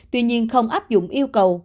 tuy nhiên không áp dụng yêu cầu